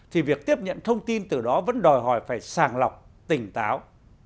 thì việc tiếp nhận thông tin từ đó vẫn đòi hỏi phải sàng lọc tỉnh táo